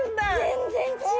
全然違う。